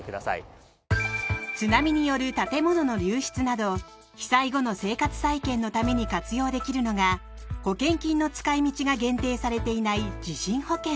津波による建物の流失など被災後の生活再建のために活用できるのが保険金の使い道が限定されていない地震保険。